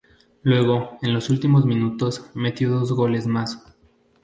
Luego, en los últimos minutos, metió dos goles más.